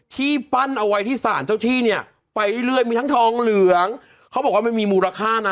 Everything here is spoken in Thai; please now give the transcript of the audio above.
ที่ปั้นเอาไว้ที่สารเจ้าที่เนี่ยไปเรื่อยมีทั้งทองเหลืองเขาบอกว่ามันมีมูลค่านะ